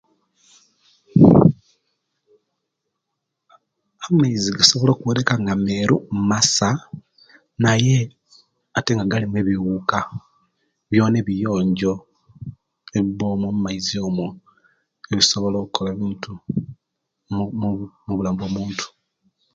Amaizi gasobola kubonekanga meeru masa naaye ate nga galimu biwuuka byona ebiyonjo ebiba omwo mumaizi omwo ebisobola bintu mubulamu bwomuntu .